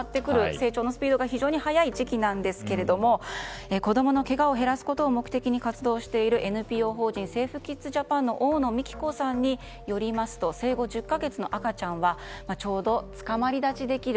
成長のスピードが非常に早い時期なんですけれども子供のけがを減らすことを目的に活動しているＮＰＯ法人ＳａｆｅＫｉｄｓＪａｐａｎの大野美喜子さんによりますと生後１０か月の赤ちゃんはちょうどつかまり立ちできる。